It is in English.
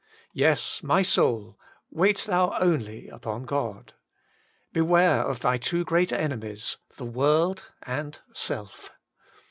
Yes, 'my soul, wait thou only upon God.' Beware of thy two great enemies — the World and Self.